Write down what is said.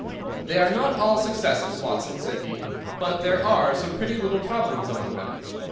"They are not all successes, Watson," said he. "But there are some pretty little problems among them.